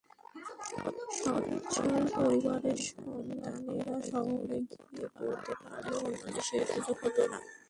সচ্ছল পরিবারের সন্তানেরা শহরে গিয়ে পড়তে পারলেও অন্যদের সেই সুযোগ হতো না।